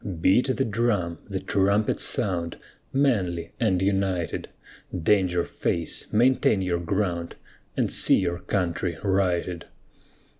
Beat the drum, the trumpet sound, Manly and united, Danger face, maintain your ground, And see your country righted.